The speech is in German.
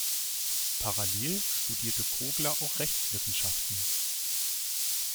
Parallel studierte Kogler auch Rechtswissenschaften.